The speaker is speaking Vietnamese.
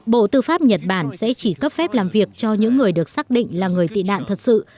bộ tư pháp nhật bản sẽ chỉ cấp phép làm việc cho những người được xác định là người tị nạn thật sự